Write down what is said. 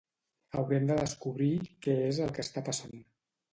Haurem de descobrir què és el que està passant.